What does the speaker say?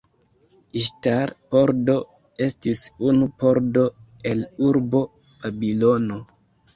Iŝtar-pordo estis unu pordo el urbo Babilono.